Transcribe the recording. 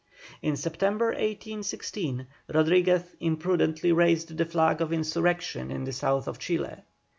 In September, 1816, Rodriguez imprudently raised the flag of insurrection in the south of Chile.